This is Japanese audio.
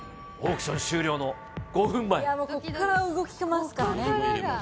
ここから動きますからね。